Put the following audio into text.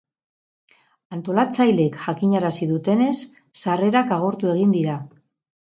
Antolatzaileek jakinarazi dutenez, sarrerak agortu egin dira.